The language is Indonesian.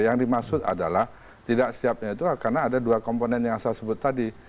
yang dimaksud adalah tidak siapnya itu karena ada dua komponen yang saya sebut tadi